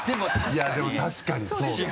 いやでも確かにそうだわ。